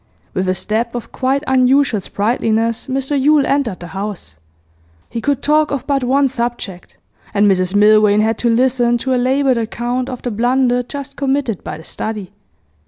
With a step of quite unusual sprightliness Mr Yule entered the house. He could talk of but one subject, and Mrs Milvain had to listen to a laboured account of the blunder just committed by The Study.